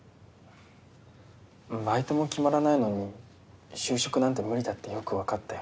バイトも決まらないのに就職なんて無理だってよく分かったよ。